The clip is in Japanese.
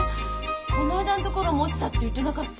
この間の所も「落ちた」って言ってなかった？